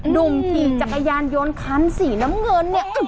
หนุ่มขี่จักรยานยนต์คันสีน้ำเงินเนี่ย